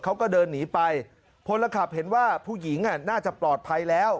เขาก็เดินหนีไปพลขับเห็นว่าผู้หญิงน่าจะปลอดภัยแล้ว